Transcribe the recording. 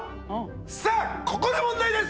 さあここで問題です！